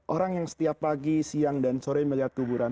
orang yang setiap pagi siang dan sore melihat kuburan